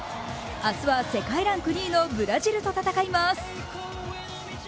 明日は世界ランク２位のブラジルと戦います。